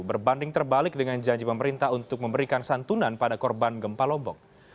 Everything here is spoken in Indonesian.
berbanding terbalik dengan janji pemerintah untuk memberikan santunan pada korban gempa lombok